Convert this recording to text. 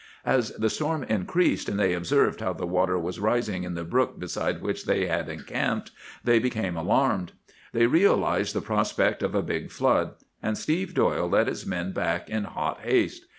As the storm increased, and they observed how the water was rising in the brook beside which they had encamped, they became alarmed. They realized the prospect of a big flood; and Steve Doyle led his men back in hot haste.